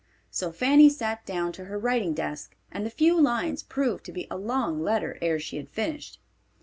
So Fanny sat down to her writing desk, and the few lines proved to be a long letter ere she had finished.